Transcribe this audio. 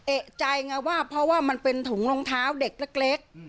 เอกใจไงว่าเพราะว่ามันเป็นถุงรองเท้าเด็กเล็ก